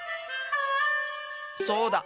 そうだ！